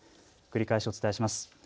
繰り返しお伝えします。